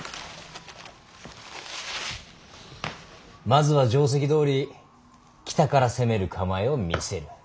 まずは定石どおり北から攻める構えを見せる。